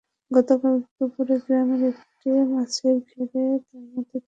গতকাল দুপুরে গ্রামের একটি মাছের ঘেরে তার মৃতদেহ ভাসতে দেখে এলাকাবাসী।